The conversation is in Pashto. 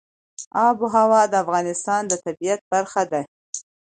آب وهوا د افغانستان د طبیعت برخه ده.